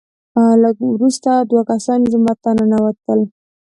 لږ وروسته دوه کسان جومات ته ننوتل،